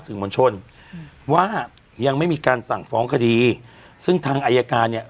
สื่อมวลชนอืมว่ายังไม่มีการสั่งฟ้องคดีซึ่งทางอายการเนี่ย